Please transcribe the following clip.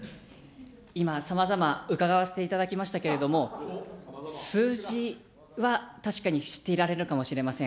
今、さまざま伺わせていただきましたけれども、数字は確かに知っておられるかもしれません。